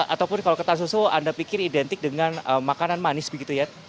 ataupun kalau kertas susu anda pikir identik dengan makanan manis begitu ya